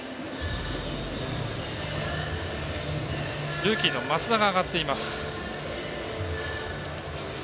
ルーキーの益田が上がっています。